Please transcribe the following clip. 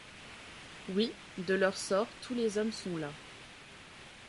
Oui, de leur sort tous les hommes sont las.